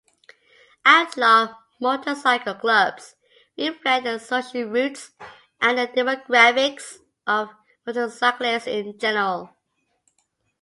Outlaw motorcycle clubs reflect their social roots and the demographics of motorcyclists in general.